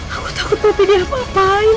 aku takut poppy dia apa apain